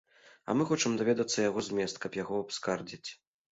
А мы хочам даведацца яго змест, каб яго абскардзіць.